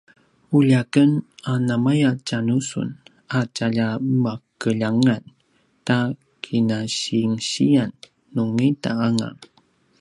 ulja aken a namaya tja nu sun a tjalja makeljangan ta kinasinsiyan nungida anga